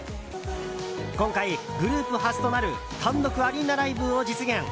今回、グループ初となる単独アリーナライブを実現！